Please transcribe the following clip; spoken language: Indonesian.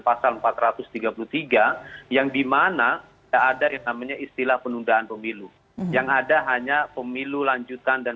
pasal empat ratus tiga puluh tiga yang dimana ada yang namanya istilah penundaan pemilu yang ada hanya pemilu lanjutan dan